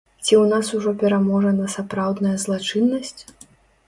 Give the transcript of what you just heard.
Ці ў нас ужо пераможана сапраўдная злачыннасць?